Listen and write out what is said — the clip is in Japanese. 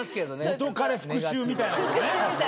「元カレ復讐」みたいなことね。